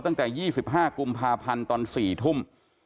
ตั้งแต่๒๕กุมภาพันธ์ตอน๔ทุ่ม